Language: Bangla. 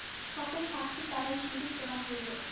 সকল সাক্ষীর দ্বারাই সেইরূপ প্রমাণ হইল।